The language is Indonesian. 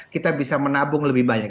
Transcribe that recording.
kita bisa menabung lebih banyak